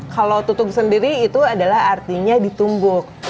kalau tutup sendiri itu adalah artinya ditumbuk